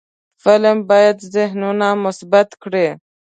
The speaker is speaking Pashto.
فلم باید ذهنونه مثبت کړي